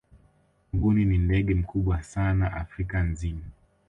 mbuni ni ndege mkubwa sana afrika nzima